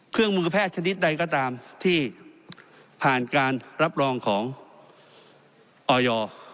เครื่องมือแพทย์ชนิดใดก็ตามที่ผ่านการรับรองของออย